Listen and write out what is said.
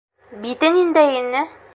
Бите ниндәй ине?